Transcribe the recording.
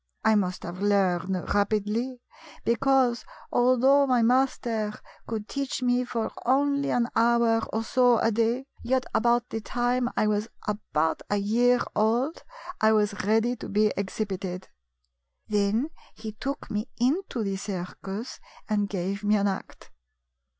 I must have learned rapidly, because, although my master could teach me for only an hour or so a day, yet about the time 79 GYPSY, THE TALKING DOG I was about a year old I was ready to be ex hibited. " Then he took me into the circus and gave me an act.